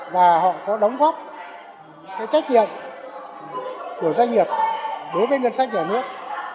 và họ có đóng góp cái trách nhiệm của doanh nghiệp đối với ngân sách nhà nước